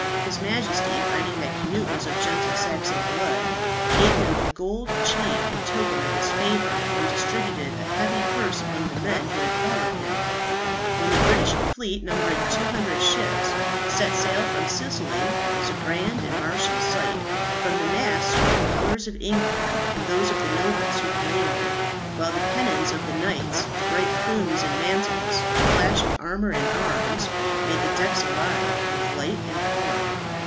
His Majesty, finding that Cnut was of gentle Saxon blood, gave him a gold chain in token of his favour, and distributed a heavy purse among the men who had followed him. When the British fleet, numbering 200 ships, set sail from Sicily, it was a grand and martial sight. From the masts were the colours of England and those of the nobles who commanded; while the pennons of the knights, the bright plumes and mantles, the flash of armour and arms, made the decks alive with light and colour.